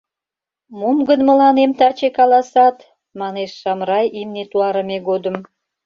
— Мом гын мыланем таче каласат? — манеш Шамрай имне туарыме годым.